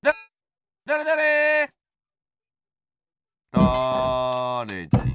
だれじん。